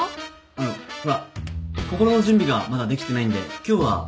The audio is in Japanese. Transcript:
あのほら心の準備がまだできてないんで今日はいいです